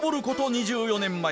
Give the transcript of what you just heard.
２４年前。